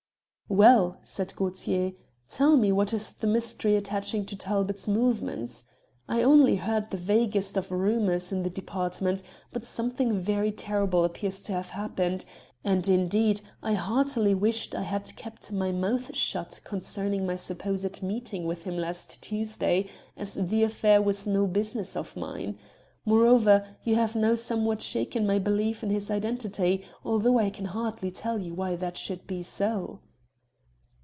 "Well," said Gaultier, "tell me what is the mystery attaching to Talbot's movements. I only heard the vaguest of rumours in the Department, but something very terrible appears to have happened, and, indeed, I heartily wished I had kept my mouth shut concerning my supposed meeting with him last Tuesday, as the affair was no business of mine. Moreover, you have now somewhat shaken my belief in his identity, although I can hardly tell you why that should be so."